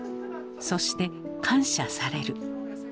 そして感謝される。